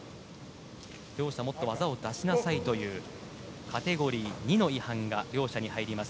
両者、もっと技を出しなさいというカテゴリー２の違反が両者に入ります。